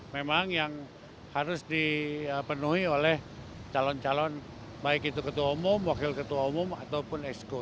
memang yang harus dipenuhi oleh calon calon baik itu ketua umum wakil ketua umum ataupun exco